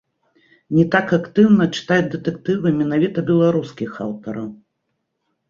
Не так актыўна чытаюць дэтэктывы менавіта беларускіх аўтараў.